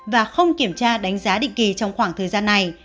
và không kiểm tra đánh giá định kỳ trong khoảng thời gian này